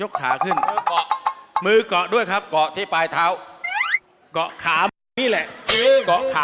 ขาขึ้นครับมือกอด้วยครับกอดที่ปลายเท้ากอดนี่แหละ